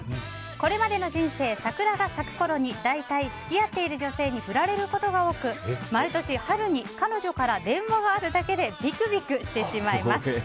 これまでの人生桜が咲くころに大体、付き合っている女性に振られることが多く毎年、春に彼女から電話があるだけでびくびくしてしまいます。